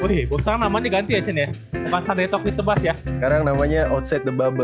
hai wih usah namanya ganti aja ya pasang retok itu bahas ya sekarang namanya outside the bubble